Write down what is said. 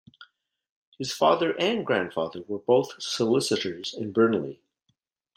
His father and grandfather were both solicitors in Burnley.